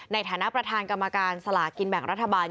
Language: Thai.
ในฐานะประธานกรรมการสลากินแบ่งรัฐบาล